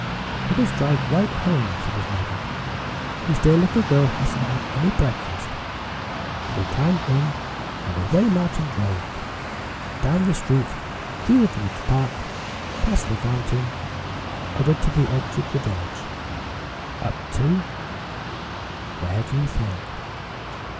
"Let us drive right home," said his mother. "This dear little girl hasn't had any breakfast." They climbed in, and away Martin drove, down the street through the village park, past the fountain, over to the edge of the village, up to where do you think?